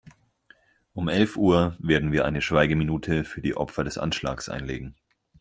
Um elf Uhr werden wir eine Schweigeminute für die Opfer des Anschlags einlegen.